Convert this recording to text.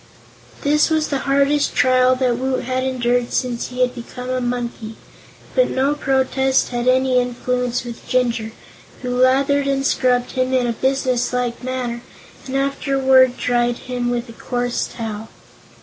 This was the hardest trial that Woot had endured since he became a monkey, but no protest had any influence with Jinjur, who lathered and scrubbed him in a business like manner and afterward dried him with a coarse towel.